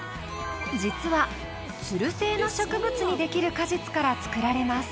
実はつる性の植物に出来る果実から作られます。